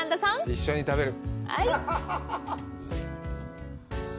一緒に食べる。